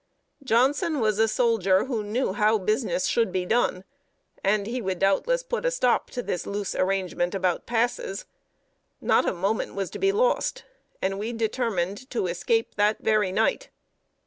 Johnson was a soldier who knew how business should be done, and would doubtless put a stop to this loose arrangement about passes. Not a moment was to be lost, and we determined to escape that very night.